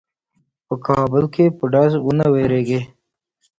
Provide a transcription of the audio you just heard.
په کابل کې به ډز وانه وریږي.